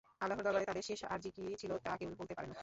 আল্লাহর দরবারে তাদের শেষ আরজি কি ছিল, তা কেউ বলতে পারে না।